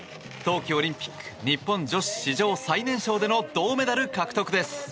冬季オリンピック日本女子史上最年少での銅メダル獲得です。